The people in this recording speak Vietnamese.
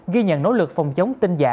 ghi nhận nỗ lực phòng chống tinh dạ